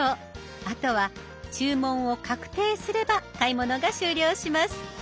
あとは注文を確定すれば買い物が終了します。